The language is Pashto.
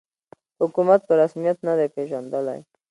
حکومت په رسمیت نه دی پېژندلی